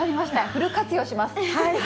フル活用します。